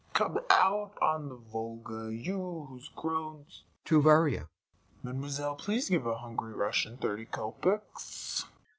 Come out on the Volga, you whose groans... [To VARYA] Mademoiselle, please give a hungry Russian thirty copecks....